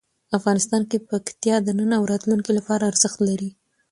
افغانستان کې پکتیا د نن او راتلونکي لپاره ارزښت لري.